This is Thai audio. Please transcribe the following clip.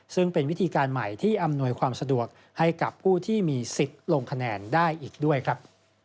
ซึ่งเป็นวิธีการใหม่ที่อำนวยความสะดวกให้กับผู้ที่มีสิทธิ์ลงคะแนนได้อีกด้วยครับ